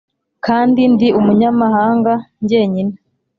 kandi ndi umunyamahanga njyenyine